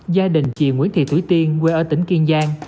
gia đình chị nguyễn thị thủy tiên quê ở tỉnh kiên giang